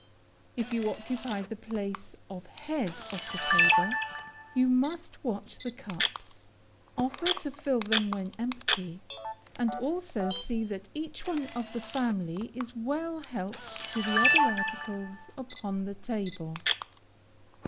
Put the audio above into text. If you occupy the place of head of the table, you must watch the cups, offer to fill them when empty, and also see that each one of the family is well helped to the other articles upon the table.